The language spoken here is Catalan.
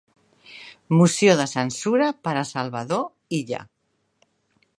Moció de censura per a Salvador Illa